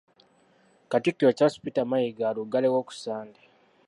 Katikkiro Charles Peter Mayiga aluggalewo ku Ssande.